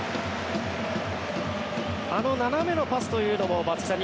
あの斜めのパスというのも松木さん